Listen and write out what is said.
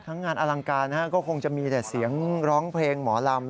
งานอลังการก็คงจะมีแต่เสียงร้องเพลงหมอลำ